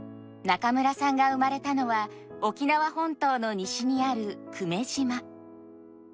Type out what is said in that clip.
中村さんが生まれたのは沖縄本島の西にある久米島。